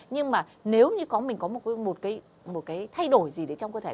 nhưng mà nếu như có mình có một cái thay đổi gì đấy trong cơ thể